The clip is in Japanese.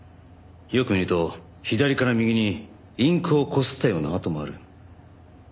よく見ると左から右にインクをこすったような跡もある。